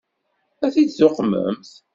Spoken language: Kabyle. Ad t-id-tuqmemt?